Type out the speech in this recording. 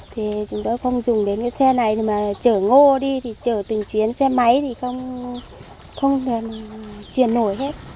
thì chúng tôi không dùng đến cái xe này mà chở ngô đi thì chở từng chuyến xe máy thì không thể chuyển nổi hết